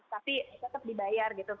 tapi tetap dibayar gitu